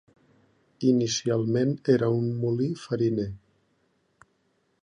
Inicialment era un molí fariner.